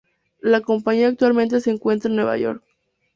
La compañía actualmente se encuentra en Nueva York.